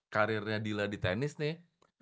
karirnya dila di tenis nih